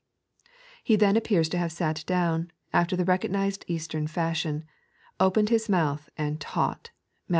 He then appears to have sat down, after the recognised Eastern fashion, opened His mouth, and taught (Matt.